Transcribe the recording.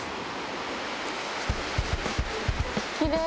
きれい。